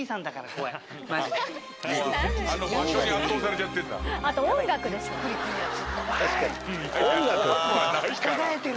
怖くはないから。